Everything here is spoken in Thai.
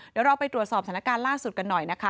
เดี๋ยวเราไปตรวจสอบสถานการณ์ล่าสุดกันหน่อยนะคะ